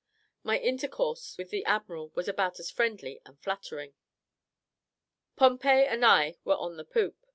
My intercourse with the admiral was about as friendly and flattering. Pompey and I were on the poop.